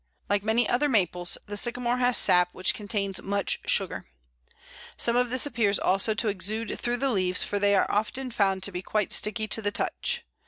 Like many other Maples, the Sycamore has sap which contains much sugar. Some of this appears also to exude through the leaves, for they are often found to be quite sticky to the touch.